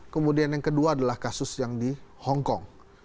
kemudian yang kedua adalah kasus yang di hongkong